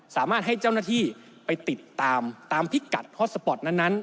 สามารถให้เจ้าหน้าที่ไปติดตามตามพิกัดฮอตสปอร์ตนั้น